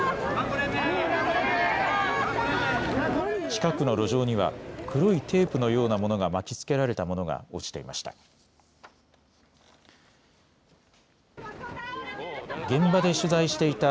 近くの路上には黒いテープのようなものが巻きつけられたものが落ちていました。